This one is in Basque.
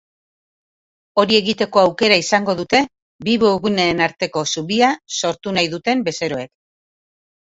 Hori egiteko aukera izango dute bi webguneen arteko zubia sortu nahi duten bezeroek.